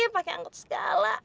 pakai angkut segala